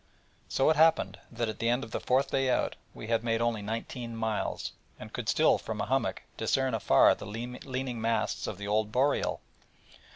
So it happened that at the end of the fourth day out, we had made only nineteen miles, and could still from a hummock discern afar the leaning masts of the old Boreal.